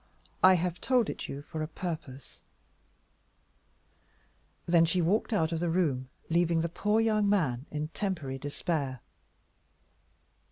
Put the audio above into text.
I have told it you for a purpose." Then she walked out of the room, leaving the poor young man in temporary despair.